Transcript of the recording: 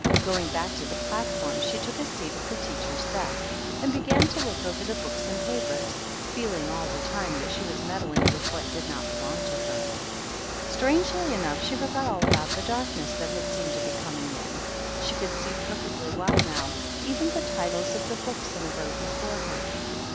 Going back to the platform, she took a seat at the teacher's desk, and began to look over the books and papers, feeling all the time that she was meddling with what did not belong to her. Strangely enough, she forgot all about the darkness that had seemed to be coming on. She could see perfectly well now, even the titles of the books in a row before her.